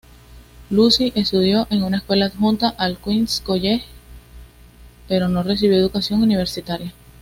Lucy estudió en una escuela adjunta al Queens 'College pero no recibió educación universitaria.